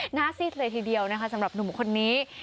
หน้าซิดเลยทีเดียวนะคะสำหรับหนุ่มคนนี้